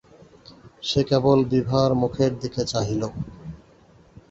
সে কেবল বিভার মুখের দিকে চাহিল!